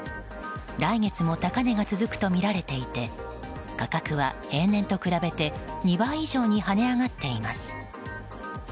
来月も高値が続くとみられていて価格は平年と比べて２倍以上に跳ね上がっています。